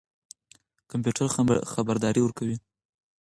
کمپيوټر خبردارى ورکوي.